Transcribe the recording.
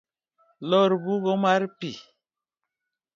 Lor bugo mar pi.